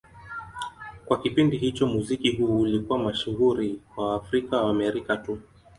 Kwa kipindi hicho, muziki huu ulikuwa mashuhuri kwa Waafrika-Waamerika tu.